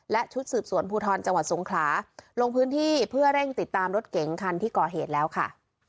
และชุดสืบสวนภูทรจังหวัดสงขลาลงพื้นที่เพื่อเร่งติดตามรถเก๋งคันที่ก่อเหตุแล้วค่ะ